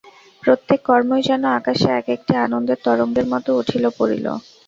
প্রত্যেক কর্মই যেন আকাশে এক-একটি আনন্দের তরঙ্গের মতো উঠিল পড়িল।